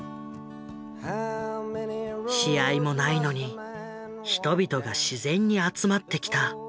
試合もないのに人々が自然に集まってきた。